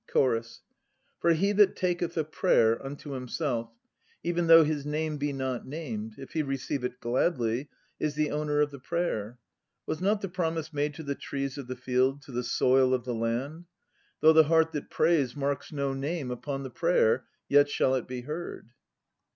CHORUS. For he that taketh a prayer unto himself Even though his name be not named, if he receive it gladly, Is the owner of the prayer. Was not the promise made to the trees of the field, To the soil of the land? Though the heart that prays marks no name upon the prayer, Yet shall it be heard.